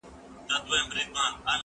کتابونه د زده کوونکي له خوا وړل کيږي؟!